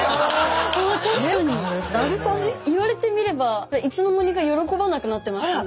言われてみればいつの間にか喜ばなくなってましたね。